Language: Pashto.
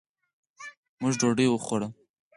موږ ډوډۍ خورو